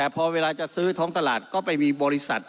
พอเวลาจะซื้อท้องตลาดก็ไปมีบริษัท